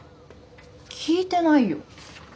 聞いてないよ。